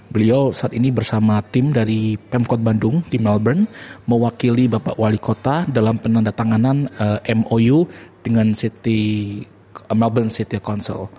beliau saat ini bersama tim dari pemkot bandung tim melbourne mewakili bapak wali kota dalam penandatanganan mou dengan melbourne cityl council